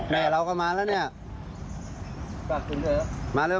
แม่เราก็มาแล้วเนี่ย